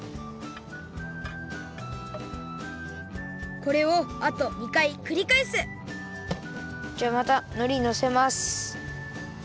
これをあと２かいくりかえすじゃあまたのりのせます！